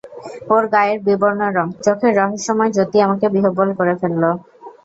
ওর গায়ের বিবর্ণ রঙ, চোখের রহস্যময় জ্যোতি আমাকে বিহবল করে ফেলল।